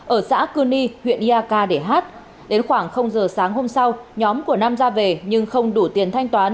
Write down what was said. ở xã cư ni huyện iak để hát đến khoảng giờ sáng hôm sau nhóm của nam ra về nhưng không đủ tiền thanh toán